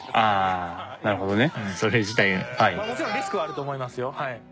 もちろんリスクはあると思いますよ。